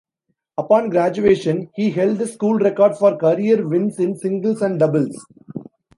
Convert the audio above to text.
Upon graduation, he held the school record for career wins in singles and doubles.